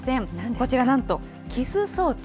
こちら、なんとキス装置。